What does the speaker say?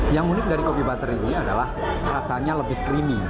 yang unik dari kopi butter ini adalah rasanya lebih creamy